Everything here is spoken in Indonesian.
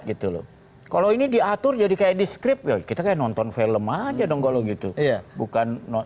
gitu loh kalau ini diatur jadi kayak di script ya kita kayak nonton film aja dong kalau gitu ya bukan